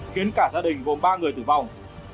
khiến cả gia đình gồm ba người tử vong